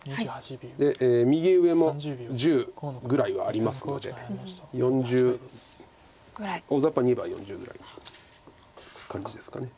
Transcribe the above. で右上も１０ぐらいはありますので４０大ざっぱにいえば４０ぐらいの感じですか。